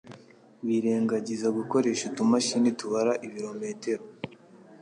birengagiza gukoresha utumashini tubara ibirometero